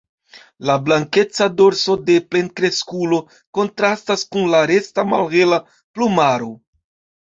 La blankeca dorso de plenkreskulo kontrastas kun la resta malhela plumaro.